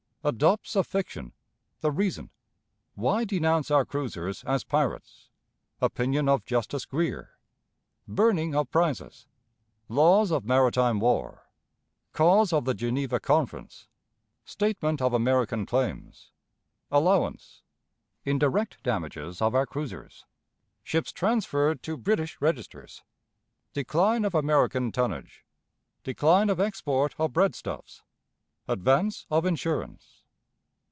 Adopts a Fiction. The Reason. Why denounce our Cruisers as "Pirates"? Opinion of Justice Greer. Burning of Prizes. Laws of Maritime War. Cause of the Geneva Conference. Statement of American Claims. Allowance. Indirect Damages of our Cruisers. Ships transferred to British Registers. Decline of American Tonnage. Decline of Export of Breadstuffs. Advance of Insurance.